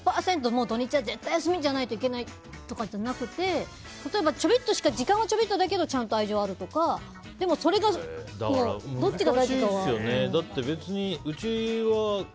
土日は絶対休みじゃないといけないとかじゃなくて例えば、時間はちょびっとだけどちゃんと愛情があるとかでも、それがどっちが大事かは。